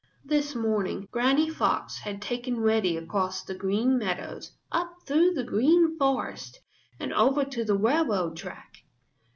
This morning Granny Fox had taken Reddy across the Green Meadows, up through the Green Forest, and over to the railroad track.